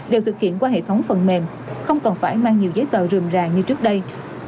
đều thực hiện qua hệ thống phần mềm không cần phải mang nhiều giấy tờ rượm ràng như trước đây